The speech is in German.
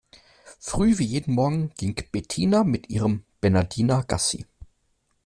Früh wie jeden Morgen ging Bettina mit ihrem Bernhardiner Gassi.